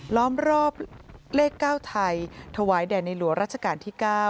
ล้อมรอบเลข๙ไทยถวายแด่ในหลวงรัชกาลที่๙